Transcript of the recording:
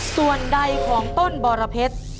ส่วนใดของต้นบรเพชร